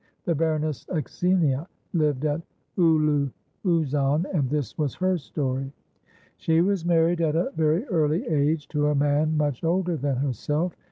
The Baroness Axinia lived at Oulou Ouzon, and this was her story: She was married at a very early age to a man much older than herself.